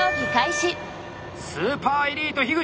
スーパーエリート口！